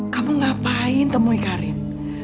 kamu ngapain temuin karin